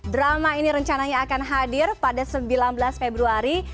drama ini rencananya akan hadir pada sembilan belas februari